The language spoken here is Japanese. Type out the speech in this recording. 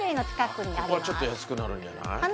ここはちょっと安くなるんじゃ？